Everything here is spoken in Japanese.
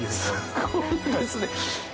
すごいですね！